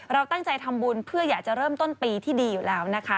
เราตั้งใจทำบุญเพื่ออยากจะเริ่มต้นปีที่ดีอยู่แล้วนะคะ